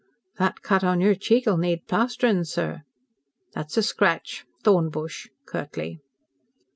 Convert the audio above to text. "That cut on your cheek and neck'll need plasterin', sir." "That's a scratch. Thorn bush," curtly.